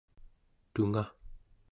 tungaᵉ